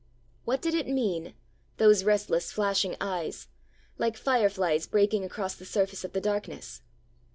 What did it mean those restless flashing eyes, like fireflies breaking across the surface of the darkness?